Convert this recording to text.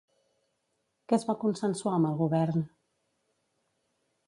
Què es va consensuar amb el Govern?